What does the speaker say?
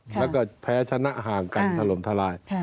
แล้วก็แพ้ชนะห่างกันถล่มทลาย